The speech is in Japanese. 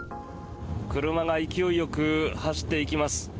車が勢いよく走っていきます。